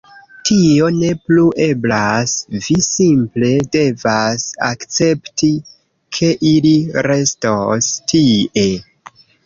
Tio ne plu eblas. Vi simple devas akcepti, ke ili restos tie.